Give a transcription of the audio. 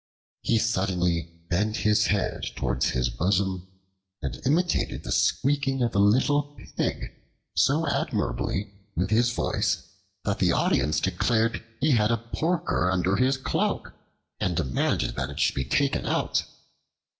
He suddenly bent his head towards his bosom and imitated the squeaking of a little pig so admirably with his voice that the audience declared he had a porker under his cloak, and demanded that it should be shaken out.